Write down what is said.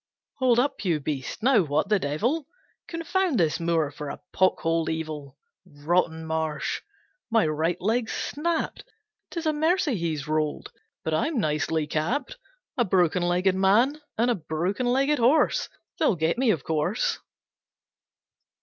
Hold up, you beast, now what the devil! Confound this moor for a pockholed, evil, Rotten marsh. My right leg's snapped. 'Tis a mercy he's rolled, but I'm nicely capped. A broken legged man and a broken legged horse! They'll get me, of course.